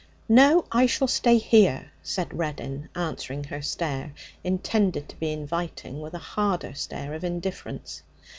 'No. I shall stay here,' said Reddin, answering her stare, intended to be inviting, with a harder stare of indifference.